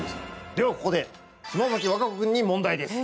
ではここで島崎和歌子君に問題です。